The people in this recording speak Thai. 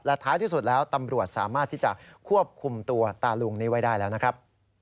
ท้ายที่สุดแล้วตำรวจสามารถที่จะควบคุมตัวตาลุงนี้ไว้ได้แล้วนะครับ